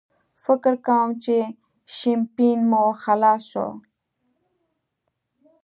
فکر کوم چې شیمپین مو خلاص شول.